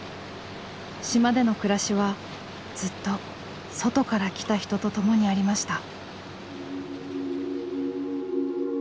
島での暮らしはずっと外から来た人と共にありました。